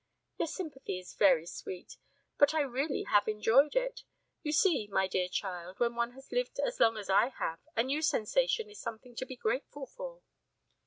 "Your sympathy is very sweet. But I really have enjoyed it! You see, my dear child, when one has lived as long as I have, a new sensation is something to be grateful for."